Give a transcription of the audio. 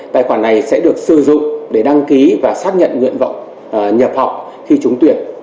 tài khoản này sẽ được sử dụng để đăng ký và xác nhận nguyện vọng nhập học khi trúng tuyển